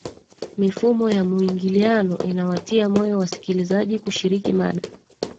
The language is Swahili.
mifumo ya muingiliano inawatia moyo wasikilizaji kushiriki mada